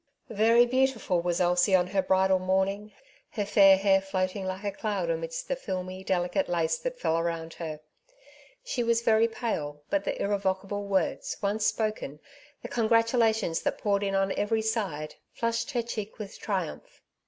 Very beautiful was Elsie on her bridal morn ing, her fair hair floating like a cloud amidst the filmy, delicate lace that fell around her. She was very pale, but the irrevocable words once spoken, the congratulations that poured in on every side flushed her cheek with triumph.